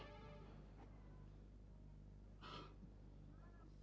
hai ngomong betul sih memangnya